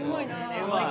絵うまい。